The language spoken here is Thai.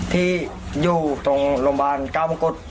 ที่อยู่ตรงโรงพยาบาลเก้ามงกุฎ